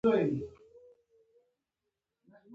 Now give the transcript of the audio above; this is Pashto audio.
ایا ستاسو ویښتان به ږمنځ نه وي؟